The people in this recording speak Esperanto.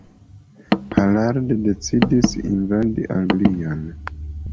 Harald decidis invadi Anglion.